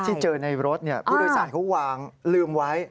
ที่เจอในรถเนี่ยบริษัทเขาวางลืมไว้